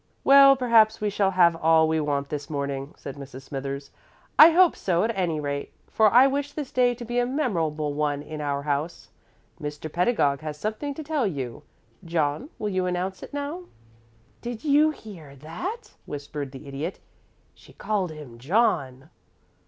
"Well, perhaps we shall have all we want this morning," said Mrs. Smithers. "I hope so, at any rate, for I wish this day to be a memorable one in our house. Mr. Pedagog has something to tell you. John, will you announce it now?" "Did you hear that?" whispered the Idiot. "She called him 'John.'"